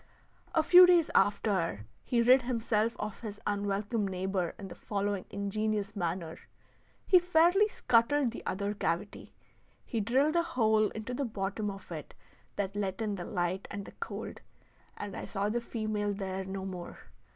A few days after, he rid himself of his unwelcome neighbor in the following ingenious manner: he fairly scuttled the other cavity; he drilled a hole into the bottom of it that let in the light and the cold, and I saw the female there no more.